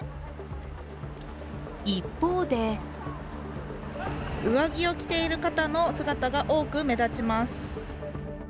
一方で上着を着ている方の姿が多く目立ちます。